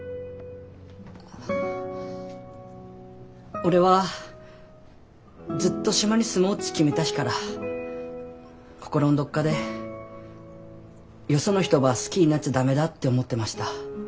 俺はずっと島に住もうっち決めた日から心んどっかでよその人ば好きになっちゃ駄目だって思ってました。